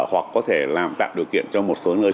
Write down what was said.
hoặc có thể làm tạo điều kiện cho một số nơi